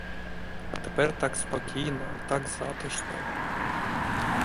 Тепер так спокійно, так затишно.